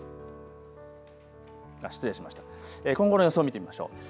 今後の予想を見てみましょう。